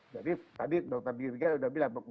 jadi tadi dokter d d g sudah bilang